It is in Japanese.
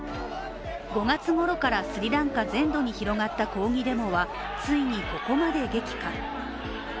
５月ごろからスリランカ全土に広がった抗議デモはついにここまで激化。